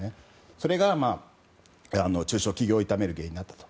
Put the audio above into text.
それが、中小企業を痛める原因になったと。